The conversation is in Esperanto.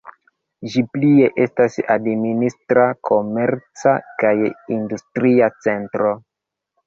Ĝi plie estas administra, komerca kaj industria centro.